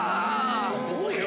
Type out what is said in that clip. すごいね。